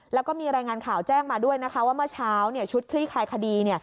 แล้วก็มีรายงานข่าวแจ้งมาด้วยนะคะว่าเมื่อเช้าชุดคลี่คลายคดี